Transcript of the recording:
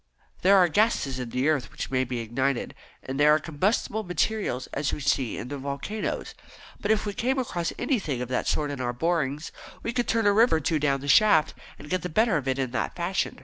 There are gases in the earth which may be ignited, and there are combustible materials as we see in the volcanoes; but if we came across anything of the sort in our borings, we could turn a river or two down the shaft, and get the better of it in that fashion."